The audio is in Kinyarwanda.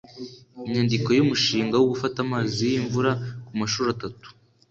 inyandiko y umushinga wo gufata amazi y imvura ku mashuri atatu